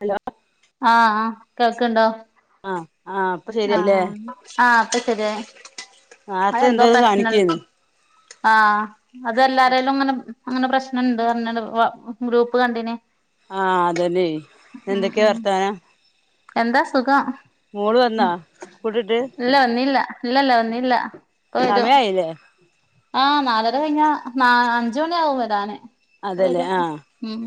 Hello ആഹ് കേൾക്ക്ണ്ടോ? ആഹ് ആഹാ ആഹ് ആഹാ ഇപ്പൊ ശരിയായി അഹ് നേരത്തെ എന്തോ ഇത് പ്രശ്നണ്ട് കാണിക്കേന്ന് ആഹ് അതെല്ലാരേലുങ്ങനെ അങ്ങനെ പ്രശ്നണ്ട് പറഞ്ഞേരം വാ ഗ്രൂപ്പ് കണ്ടിന് ആഹ് അതന്നെ ഉം എന്തൊക്കെ ഉം വർത്താനം? എന്താ സുഖം? മോള് വന്നാ? സ്കൂളുവിട്ട് ഇല്ല വന്നില്ല. ഇല്ലല്ല വന്നില്ല. ഇപ്പോ വരും. സമയായില്ലേ ആഹ് നാലര കഴിഞ്ഞാ ന അഞ്ച് മണി ആകും വരാന്. ഇപ്പ അതല്ലേ വരും ആഹ് ഉം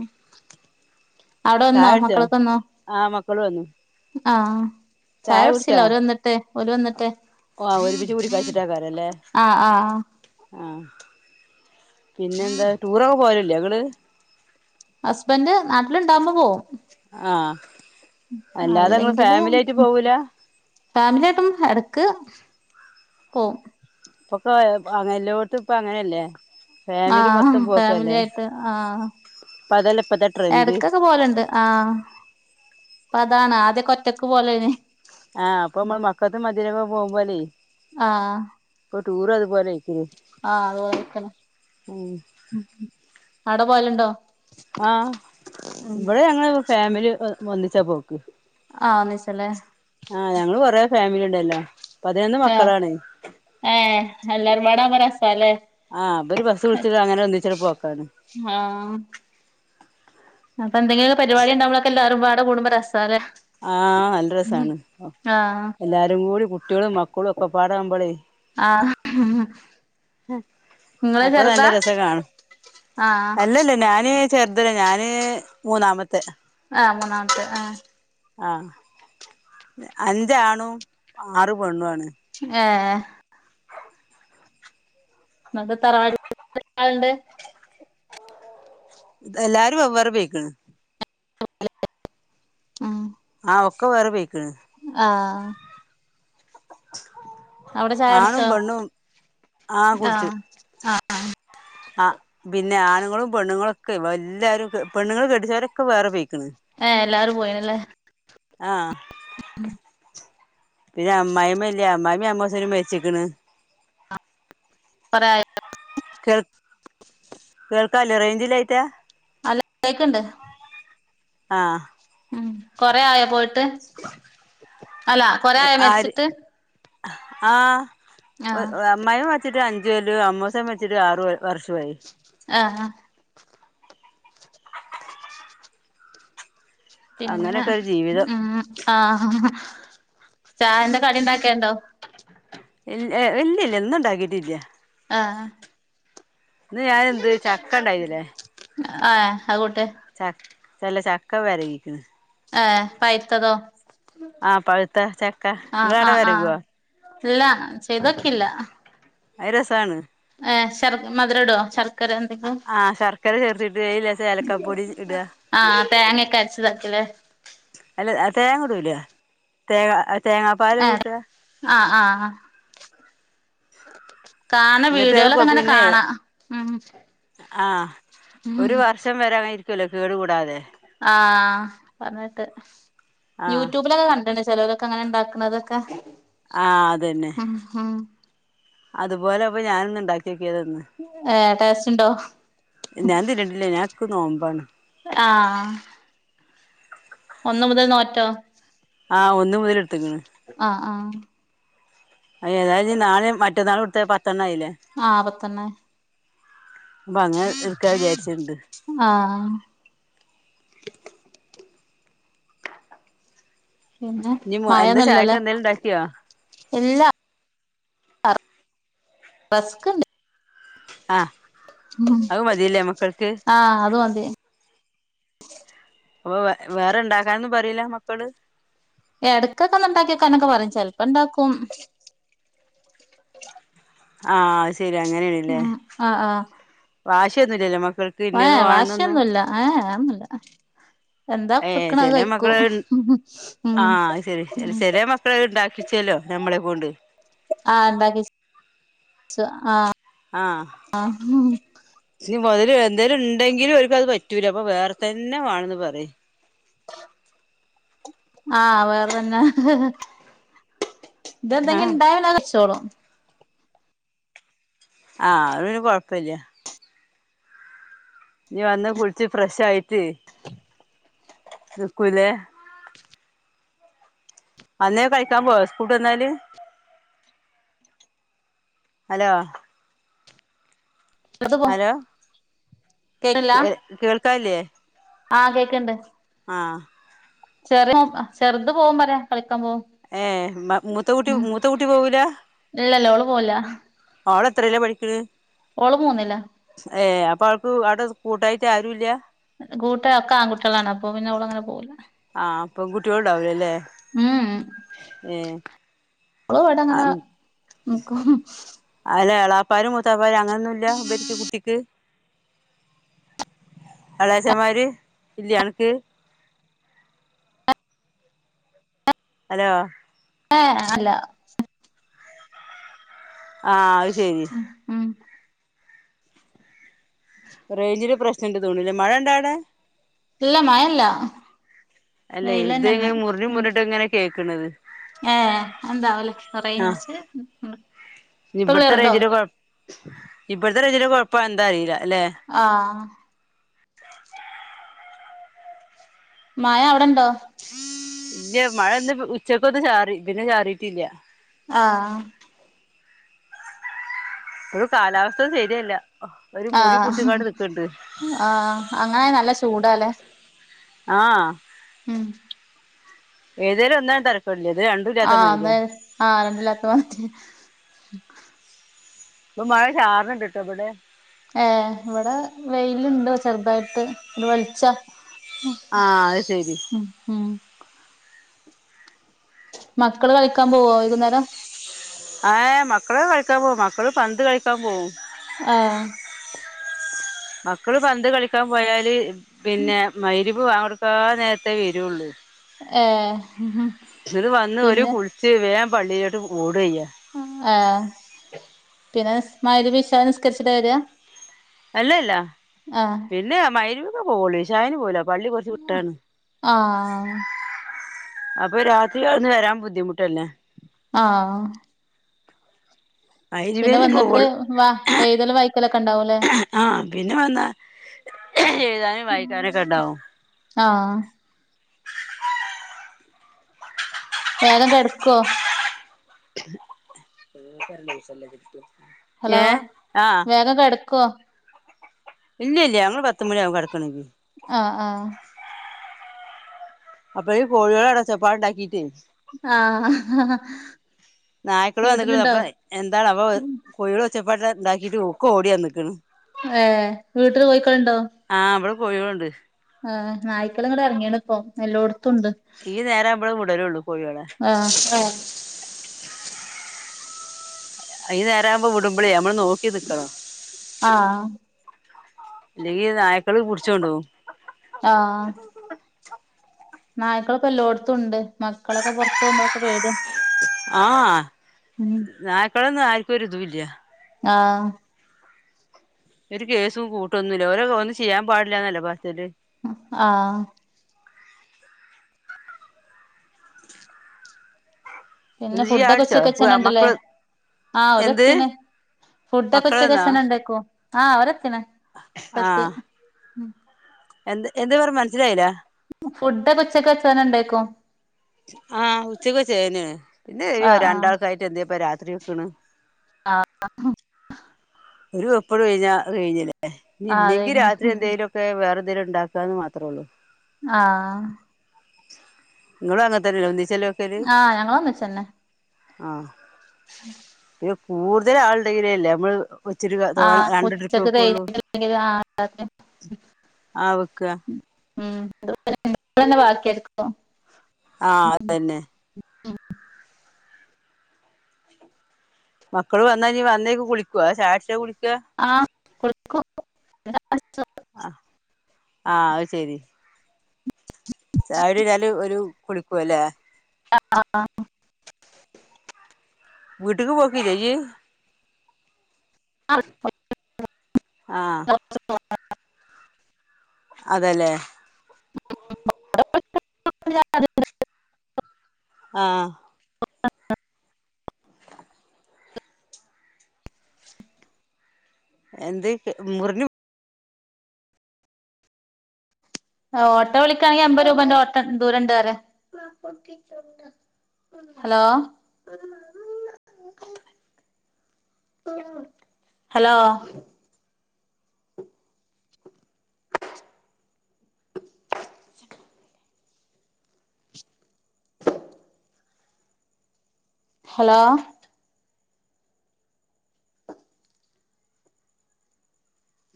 അവിടെ വന്നോ ചായ കുടിച്ചോ? മക്കളൊക്കെ വന്നോ ആഹ് മക്കള് വന്ന് ആഹ് ചായ കുടിച്ചില്ല. ഓര് വന്നിട്ട് ഓര് വന്നിട്ട് ആഹ് ഒരുമിച്ച് കൂടിക്കഴ്ച്ചിട്ടാക്കാരല്ലേ? ആഹ് ആഹ് ആഹ് പിന്നെന്താ? ടൂറൊക്കെ പോവല്ല്ലേ ങ്ങള്? ഹസ്ബൻഡ് നാട്ടിലുണ്ടാവുമ്പോ പോവും ആഹ് അല്ലാതെ ങ്ങള് ഫാമിലി ആയിട്ട് പോവൂല ഫാമില്യായിട്ടും എടക്ക് പോവും ഇപ്പൊക്കെ അഹ് എല്ലോടത്തുപ്പ അങ്ങനല്ലേ? ആഹ്ഹ് ഫാമിലി ആയിട്ട് ആഹ് ഇപ്പ അതല്ലേ ഇപ്പത്തെ ട്രെൻഡ് ഇടക്കൊക്കെ പോവലുണ്ട് ആഹ് പ്പ അതാണ്. ആദ്യോക്കെ ഒറ്റക്ക് പോവലേന്ന് ആഹ് പ്പ മ്മള് മക്കത്തും മദീനക്കൊക്കെ പോവുമ്പോലേ ആഹ് ഇപ്പോ ടൂറു അതുപോലേയി ആഹ് അത് പോലെത്തന്നെ. ഉം ഉം ഉം ആടെ പോവല്ണ്ടോ? ആഹ് ഇവടെ ഞങ്ങള് ഫാമിലി ഒന്നിച്ചാ പോക്ക് ആഹ് ഒന്നിച്ചല്ലേ ആഹ്. ഞങ്ങള് കൊറേ ഫാമിലിണ്ടല്ലോ. പതിനൊന്ന് ആഹ് മക്കളാണേ ഏഹ് എല്ലാരും പാടാവുമ്പോ രസാല്ലേ? ആഹ് അപ്പൊര് ബസ് വിളിച്ച്ട്ട് അങ്ങനെ ഒന്നിച്ചോരു പോക്കാണ് ഹാ അപ്പ എന്തങ്കിലും ഒക്കെ പരിപാടി ഉണ്ടാവുമ്പളൊക്കെ എല്ലാവരും പാടെ കൂടുമ്പോ രസാല്ലേ? ആഹ് നല്ല ഉം രസാണ്. ആഹ് എല്ലാരും കൂടി കുട്ട്യോളും മക്കളും ഒക്കെപ്പാടാമ്പളേ ആഹ് നിങ്ങള് അപ്പ നല്ല ചെറുതാ രസാ കാണാൻ. ആഹ് അല്ലല്ല ഞാന് ചെർതല്ല. ഞാന് മൂന്നാമത്തെ ആഹ് മൂന്നാമത്തെ ആഹ് ആഹ് അഞ്ചാണു ആറ് പെണ്ണു ആണ് ആഹ് ങ്ങക്ക് തറവാട്ട് [unintelligible] എത്രാളുണ്ട്? എല്ലാരും വെവ്വേറെ പെയ്ക്ക്ണ് [unintelligible] ഉം ആഹ് ഒക്ക വേറെ പെയക്കണ് ആഹ് അവടെ ആണും ചായടിച്ചോ? പെണ്ണും ആ ആഹ്. ആഹ് ആഹ് പിന്നെ ആണുങ്ങളും പെണ്ണുങ്ങളും ഒക്കെ വ എല്ലാവരും പെണ്ണുങ്ങൾ കെട്ടിച്ചവരൊക്കെ വേറെ പൊയ് ഏഹ് എല്ലാവരും പോയിനല്ലേ? ആഹ് ഉം പിന്നെ അമ്മയ്മ്മയില്ല അമ്മായിമ്മയും അമ്മോച്ചനും മര്ച്ച്ക്ക്‌ന്ന് കൊറേയായോ കേൾ കേൾക്കല്ലേ റേഞ്ചില്ലായിറ്റ അല്ല കേക്കണ്ട് ആഹ് ഉം കൊറെ ആയോ പോയിട്ട് അല്ല കൊറേ ആയോ മരിച്ചിട്ട്? ആഹ് ആഹ് അമ്മായ്മ്മ മരിച്ചിട്ട് അഞ്ച് കൊല്ലം അമ്മോസൻ മരിച്ചിട്ട് ആറ് വർഷോ ആയി ആഹ് ഹ പിന്ന അങ്ങനെയൊക്കെ ഒരു ജീവിതം ഉം ആഹ് ചായേന്റെ കടി ഉണ്ടാക്കണ്ടോ ഇൽ ഇല്ലില്ല ഇന്നുണ്ടാക്കീട്ട് ഇല്ല. ആഹ് ഇന്ന് ഞാൻ എന്ത് ചക്ക ഉണ്ടായിനില്ലേ ആഹ് ആഗോട്ടെ ച ചല്ല ചക്ക വെരകിക്കുന്നു ഏഹ് പൈത്തതോ ആഹ് പഴുത്ത ചക്ക ആഹ് ഇങ്ങളാട ആഹ് ആഹ് വെരകുവാ? ഇല്ല ചെയ്തോക്കില്ല ഐരസാണ് ഏ ശർ മധുരടോ ശർ ആഹ് ശർക്കര ചേർത്തിട്ട് ലേശം ഏയ്‌ലേക്കാ പൊടി ഇട ആഹ് തേങ്ങൊക്കെ അരച്ചതാക്കല്ലേ അല്ല തേങ്ങ ഇടുലെ തേങ്ങ തേങ്ങാപ്പാല് ഏറെ കൂട്ടുക ആഹ് ആഹ് ഹാ കാണ എന്നിട്ട് അത് വീഡിയോകളൊക്കെ അങ്ങനെ പിന്നെ കാണാ ഉം ആഹ് ഒരു വർഷം വരെ അങ്ങനെരിക്കൂലേ കേടു കൂടാതെ ആഹ് പറഞ്ഞിട്ട് ആഹ് യൂട്യൂബിലൊക്കെ കണ്ടണ് ചിലോലൊക്കെ അങ്ങനെ ഉണ്ടാക്കുന്നതൊക്കെ ആഹ് അതന്നെ അതുപോലെ അപ്പൊ ഞാനൊന്ന് ഇണ്ടാക്ക്യോക്കിയതാ ഇന്ന് ഏഹ് ടേസ്റ്റ്ണ്ടോ? ഞാൻ തിന്നിട്ടില്ലേ ഞാൻ എക്ക് നോമ്പാണ് ആഹ് ഒന്നു മുതൽ നോറ്റോ? ആഹ് ഒന്ന് മുതല് ആഹ് ആഹ് അയ് ഏതായാലും നാളെ മറ്റന്നാളും എടുത്ത പത്തെണ്ണ ആയില്ലേ? ആഹ് പത്തെണ്ണായി അപ്പൊ അങ്ങനെ എടുക്കാ വിചാരിച്ചിട്ടുണ്ട് ആഹ് പിന്നെ ഇനി എന്താ ചായക്ക് മായൊന്നുംല്ലല്ലേ എന്തേലും ഉണ്ടാക്കിയോ ഇല്ലാ വസ്ക്ണ്ട് ആഹ് ഉം അത് മതില്ലേ മക്കൾക്ക് ആഹ് അത് മതി അപ്പൊ വേറെണ്ടാക്കാനൊന്നും പറയില്ല മക്കള് എടയ്ക്കൊക്കെ ഒന്ന് ഉണ്ടാക്കി വക്കാനൊക്കെ പറയും ചെലപ്പണ്ടാക്കും ആഹ് ശെരി അങ്ങനെണ്ല്ലേ ഉം ആഹ് വാശ്യൊന്നുല്ലല്ലോ മക്കൾ ഏഹ് വാശ്യൊന്നുല്ല ഏഹ് അതൊന്നുല്ല. എന്താ ഏഹ് പ്ക്കണേ അത് ചെല കയ്ക്കും മക്കള് ഉം ഉം ഇപ്പളത് ണ്ടാക്കിച്ചല്ലോ ഞമ്മളെ കൊണ്ട് ആഹ് ണ്ടാക്കിച്ച് ച്ച് ആഹ് ആഹ് [unintelligible] മൊതല് എന്തേലുണ്ടെങ്കിലു ഓൽക്കത് പറ്റൂല അപ്പൊ വേറെ തന്നെ വാണന്ന് പറിം. ആഹ് വേറെ തന്നെ ആഹ് ഇതെന്തെങ്കിണ്ടായ പിന്നെ അത് കയിച്ചോളും. ആഹ് അത് പിന്നെ കൊഴപ്പല്ല. ഇഞ് വന്ന് കുൾച്ച് ഫ്രെഷായിട്ട് നിക്കൂലേ അന്നേ കളിക്കാം പോവോ സ്കൂട്ടെന്നാല്. അലോ ചെറുത് പോ അലോ എഹ് കേൾക്കാല്ലേ? ആഹ് കേക്ക്ണ്ട്. ആഹ് ചെറ്യേ [unintelligible] ചെറ്ത് പോവും പറ്യാ കളിക്കാൻ പോവും. ഏഹ് ബ മൂത്ത കൂട്ടി ഉം മൂത്തകുട്ടി പോവൂല്ല? ഇല്ലല്ല ഓള് പോവല്ല. ഓളെത്രേല്ലാ പഠിക്ക്ണ്. ഓള് മൂന്നില്ല. ഏഹ് അപ്പൊ അവൾക്ക് അവടെ കൂട്ടായിട്ട് ആരൂല്ല. കൂട്ട് ഒക്കെ ആൺ കുട്ട്യളാണ് അപ്പൊ പിന്നെ ഓളങ്ങനെ പോവൂല്ല. ആഹ് പെൺകുട്ട്യോൾണ്ടാവൂലല്ലേ. ഉം ഏഹ് ഓള് വടെങ്ങനെ നിക്കും അല്ല ഇളായാപ്പാരും മൂത്താപ്പാര് അങ്ങനൊന്നുല്ല ബെസ്റ്റ് കുട്ടിക്ക്. ഇളയച്ചമാര് ഇല്യേ അൻക്ക് അലോ ഏഹ് അല്ല. ആഹ് അയ് ശെരി. ഉം ഉം റേഞ്ചിന് പ്രശ്നണ്ട്ന്ന് തോണ് ലെ മഴണ്ടവടെ ഇല്ല മഴല്ല അല്ലെയ് വെയിലന്നെന്ന് ഇത്ങ്ങനെ മുറ്ഞ്ഞ് മുറ്ഞ്ഞിട്ടങ്ങനെ കേക്ക്ണത്. ഏഹ് എന്താവലെ എഹ് റേയിഞ്ച് ഇഞ് ബട്ത്തെ റയ്ഞ്ചിന്റെ കൊഴ ഇബട്ത്തെ റെയ്ഞ്ചിന്റെ കൊഴപ്പാ എന്താ അറീല്ല ല്ലെ ആഹ് മയ അവടെണ്ടോ? ഇല്ല മഴ ന്ന് ഉച്ചക്കൊന്ന് ചാറി പിന്നെ ചാറിട്ടില്ല. ആഹ് ഒരു കാലാവസ്ഥ ശെര്യല്ല ഒരു മൂടി ആഹ് പുട്ച്ചിക്കാണ്ട് നിക്ക്ണ്ട്. ആഹ് അങ്ങനായ നല്ല ചൂടല്ലേ. ആഹ് ഉം ഏതേലും ഒന്നാ തര വെല്ല്യത് രണ്ട് ആഹ് തേ ആ രണ്ട് [unintelligible] ഇപ്പൊ മഴ ചാറ്ണ് ണ്ട്ട്ടോ ബടെ. ഏഹ് ഇവിടെ വെയിലുണ്ട് ചെറുതായിട്ട് ഒരു വെളിച്ച ആഹ് അത് ശരി ഉം ഉം മക്കള് കളിക്കാൻ പോകോ വൈകുന്നേരം ഏഹ് മക്കള് കളിക്കാൻ പോകും മക്കള് പന്ത് കളിക്കാൻ പോകും ആഹ് മക്കള് പന്ത് കളിക്കാൻ പോയാല് പിന്നെ മയ് ര് ബാങ്കോ ട് ക്കാൻ നേരത്തെ വരുള്ളൂ ഏഹ് ച്ച് ന്ന് വന്ന് ഒരു പിന്നെ കുളിച്ച് വേൻ പള്ളിയിലോട്ട് ഓടയ്യാ ആഹ് പിന്നെ മയി രി ബി ഇ ഷാ നിനസ്കരിച്ചിട്ടാ വരാ അല്ലല്ല ആഹ് പിന്നെ മയി രി ബി ക്കെ പോവള്ളൂ ഇശാഇ ന് പോവൂല്ല കുറച്ച് വി ട്ടാണ് ആഹ് അപ്പൊ രാത്രി കവി ട് ന്ന് വരാൻ ബുദ്ധിമുട്ടല്ലേ? ആഹ് മയി രി ബി പിന്നെ ന്നെ പോവൊ വന്നിട്ട് ള്ളൂ വാ എഴുതലും വായിക്കലൊക്കെ ഉണ്ടാവൂല്ലേ ആഹ് പിന്നെ വന്നാ എയ് താനും വായിക്കാനൊക്കെ ഉണ്ടാവും ആഹ് വേഗം കെ ടക്കോ കരണ്ട ദിവസല്ലേട്ടു ഹലോ വേഗംക്കെ ടക്കോ ഇല്ല ഇല്ല ങ്ങള് പത്ത് മണി ആവും കിടക്കണക്കങ്കി ആഹ് ആഹ് അപ്പൊ ഈ കോഴികളോ ച്ചപ്പാട് ഉണ്ടാക്കിട്ട് ആഹ് നായ്ക്കള് വന്ന് ക്ക്ണ് വീട്ടിലുണ്ടോ അപ്പൊ എന്താണ് അപ്പൊ കോയെ ള് ഒച്ചപ്പട്ട് ഇണ്ടാക്കിട്ട് ഒക്കെ ഓടിവ ന്ന് ക്ക് ണ് ഏ വീട്ടീ കോയിക്ക ൾ ഉ ണ്ടോ? ആഹ് ഇ വടെ കോയി കളുണ്ട് ആ നായ്ക്കള് ഇങ്ങട് ഇ റ ങ്ങെ ലൊ പ്പൊഇപ്പ എല്ലോടത്തുംണ്ട് ഇ നേരാവുമ്പോ വിട ലള്ളു കോയെ ളെ ആഹ് ആഹ് ഈ നേരാ വുമ്പോ വിടുമ്പളേ നമ്മള് നോക്കി നി ക്കണം ആഹ് ഇ ല്ലെങ്കി നായ്ക്കള് പു ടിച്ച് കൊണ്ടകും ആഹ് നായ്ക്കളൊപ്പൊ എല്ലാട് ത്തും ഉണ്ട് മക്കളൊക്കെ പുറത്തു പോകുമ്പോക്കെ പേടിയാ ആഹ് ഉം നായക്കളൊന്നും ആര് ക്കും ഒരു തൂ ല്ല ആഹ് ഒരു കേസും കൂട്ടൊന്നുല്ല ഓരെ ഒന്നും ചീ യ്യാൻ പാടില്ലാ ന്ന ല്ലെ പറ യ ല് ആഹ് പിന്നെ എന്ത് ജ്ജ് ഫുഡെ ക്കെ ഉ ചായുടിച്ചോ ച്ചക്ക് വെച്ചീ ന്ന ആ ണ്ടല്ലേ മക്കള് ആഹ് എന്ത് അതത്തീ ന്ന്‌ ഫുഡെ ക്കെ ഉ മക്കള് ച്ചക്ക വെ വന്നോ ചെന്നെ ണ്ടെ ക്കും ആഹ് ഓരത്തീ ന്ന് പ്പൊ ത്തി ആഹ് എന്ത് എന്തെ പർ ഞ്ഞു മനസ്സിലായില്ല ഫുഡെ ക്കെ ഉച്ചക്ക് വച്ചന ന്നെ ഉണ്ടായിക്കും ആഹ് ഉച്ചക്ക് വെച്ചേ ന്നേ ണ് പിന്നെ ഈ ആഹ് രണ്ടാൾക്കായിട്ട് എന്തി നാ പ്പൊ രാ ത്രി വെക്കണ് ആഹ് ഒരു വെപ്പണ് കഴിഞ്ഞാ അത് കഴിഞ്ഞില്ലേഞ്ഞി ആഹ് ആഹ് അത് ഇല്ലെങ്കി കഴിഞ്ഞ് രാത്രി എന്തേലും പെ വേറെ എന്തെലും ഇണ്ടക്കന്ന് മാത്രേള്ളൂ ആഹ നിങ്ങളും അങ്ങനത്തെന്നല്ലെ ഒന്നിചെലോവെ ആഹ് ഞങ്ങൾ ഒന്നിച്ചന്നെ ആഹ പിന്നെ കൂടുതൽ ആളുടെങ്കിലെല്ലേ നമ്മള് ഒച്ചിരി തോന്ന ആഹ് രണ്ട് ട്രിപ്പ് ഉച്ചക്ക് വെക്കെള്ളു കഴിഞ്ഞിട്ടില്ലെങ്കിൽ ആഹ് രാത്രി ആവക്ക ഉ അ ഇവിടെന്നെ ബാക്കി എടുക്കോ ആഹ അതന്നെ ഉം മക്കള് വന്നാ ഇന്നി വന്നേക്ക് കുളിക്കോ അതാ ചായകുടിച്ച കുളിക്ക ആഹ കുളിക്കും പിന്നെ ചായടിച്ചും ആഹ് അഹ് ശരി ചായയുടി കഴിഞ്ഞാൽ ഓല് കുളിക്കെല്ലേ ആ ആ ആ വീട്ക്ക് പോക്കീല്ലേ ഇയ്യ് ആഹ [unintelligible] ആഹ് അതെല്ലേ [unintelligible] ആഹ് എന്തേക്ക്‌ മുറിണ് ആഹ് ഓട്ടോ വിളിക്കാണെങ്കി അമ്പത് രൂപന്റെ ഓട്ടോ ദൂരണ്ട്റ ഹലോ ഹലോ ഹലോ